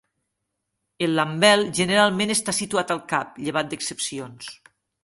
El lambel generalment està situat al cap, llevat d'excepcions.